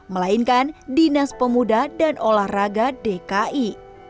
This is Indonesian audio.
melainkan dinas pemuda dan olahraga dki